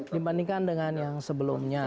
dibandingkan dengan yang sebelumnya